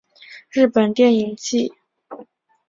日本电影祭是每年在新加坡所举行的电影节活动。